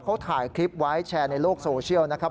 เขาถ่ายคลิปไว้แชร์ในโลกโซเชียลนะครับ